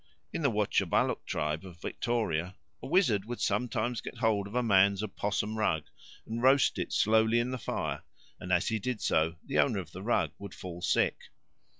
In the Wotjobaluk tribe of Victoria a wizard would sometimes get hold of a man's opossum rug and roast it slowly in the fire, and as he did so the owner of the rug would fall sick.